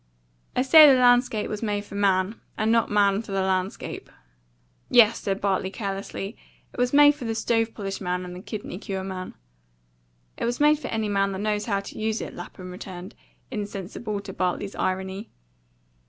I say the landscape was made for man, and not man for the landscape." "Yes," said Bartley carelessly; "it was made for the stove polish man and the kidney cure man." "It was made for any man that knows how to use it," Lapham returned, insensible to Bartley's irony.